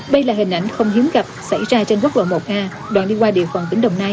đây là hình ảnh không hiếm gặp xảy ra trên quốc lộ một a đoạn đi qua địa phận tỉnh đồng nai